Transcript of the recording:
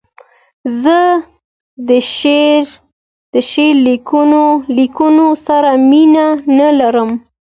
زه د شعر لیکلو سره مینه نه لرم.